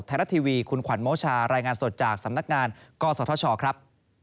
ไทยรัฐทีวีคุณขวัญโมชารายงานสดจากสำนักงานกศธชครับ